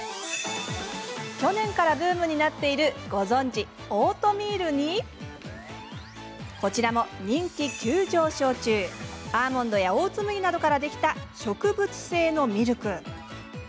去年からブームになっているご存じ、オートミールにこちらも人気急上昇中アーモンドやオーツ麦などからできた植物性のミルク。